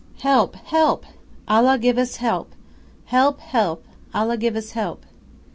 "Help! Help! Allah give us help! Help! Help! Allah give us help!"